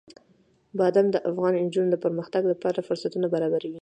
بادام د افغان نجونو د پرمختګ لپاره فرصتونه برابروي.